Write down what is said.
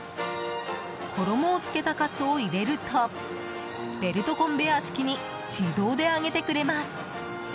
衣をつけたカツを入れるとベルトコンベヤー式に自動で揚げてくれます。